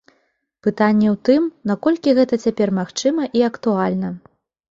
Пытанне ў тым, наколькі гэта цяпер магчыма і актуальна.